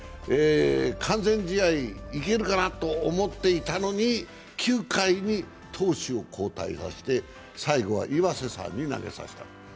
完全試合いけるかなと思っていたのに、９回に投手を交代させて最後は岩瀬さんに投げさせた。